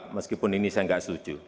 meskipun ini saya nggak setuju